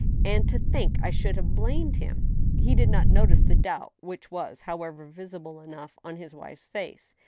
and to think I should have blamed him !" lie did not notice the doubt which was, however, visible enough on his wife's face.